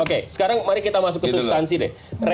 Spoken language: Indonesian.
oke sekarang mari kita masuk ke substansi deh